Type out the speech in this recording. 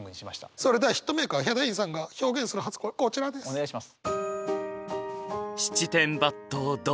それではヒットメーカーヒャダインさんが表現する初恋こちらです。